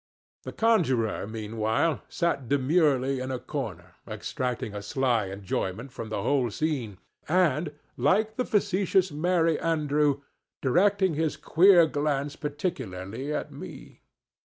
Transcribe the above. The conjurer, meanwhile, sat demurely in a corner extracting a sly enjoyment from the whole scene, and, like the facetious Merry Andrew, directing his queer glance particularly at me.